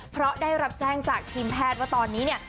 เพราะได้รับแจ้งจากทีมแพทย์ว่าตอนนี้เนี่ย